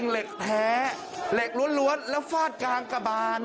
เหล็กแท้เหล็กล้วนแล้วฟาดกลางกระบาน